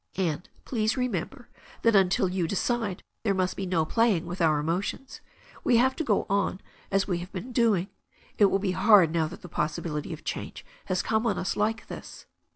And, please, remember that until you decide there must be no playing with our emotions. We have to go on as we have been doing. It will be hard now that the possibility of change has come on us like this.